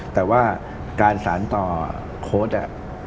แต่ว่าการสารต่อโค้ด